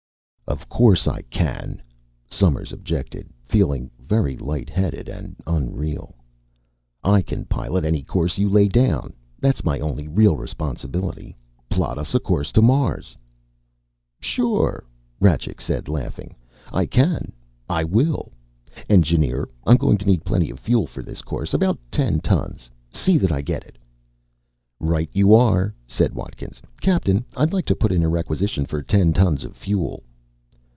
"Of course I can," Somers objected, feeling very light headed and unreal. "I can pilot any course you lay down. That's my only real responsibility. Plot us a course to Mars!" "Sure!" Rajcik said, laughing. "I can! I will! Engineer, I'm going to need plenty of fuel for this course about ten tons! See that I get it!" "Right you are," said Watkins. "Captain, I'd like to put in a requisition for ten tons of fuel."